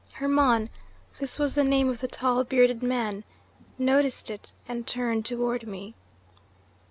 "Hermon this was the name of the tall, bearded man noticed it and turned toward me.